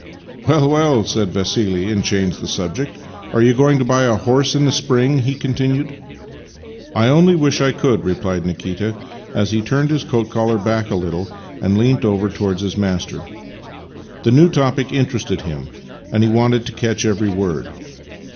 '"" Well, well," said Vassili, and changed the subject. " Are you going to buy a horse in the spring? " he continued. " I only wish I could," replied Nikita as he turned his coat collar back a little and leant over towards his master. The new topic interested him, and he wanted to catch every word.